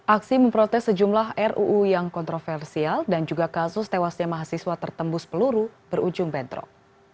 aksi memprotes sejumlah ruu yang kontroversial dan juga kasus tewasnya mahasiswa tertembus peluru berujung bentrok